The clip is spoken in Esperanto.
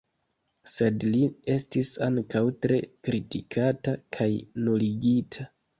Sed li estis ankaŭ tre kritikata kaj nuligita.